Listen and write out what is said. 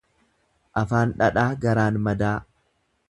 Afaan dhadhaa garaan madaa.